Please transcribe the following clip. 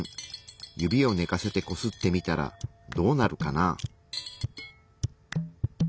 指を寝かせてこすってみたらどうなるかな？